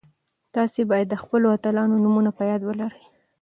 تاسي باید د خپلو اتلانو نومونه په یاد ولرئ.